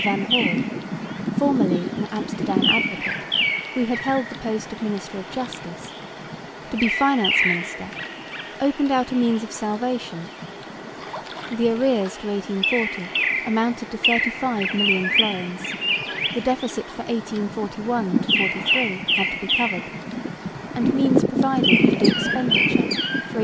van Hall (formerly an Amsterdam advocate, who had held the post of minister of justice) to be finance minister opened out a means of salvation. The arrears to 1840 amounted to 35 million florins; the deficit for 1841 3 had to be covered, and means provided for the expenditure for 1843 4.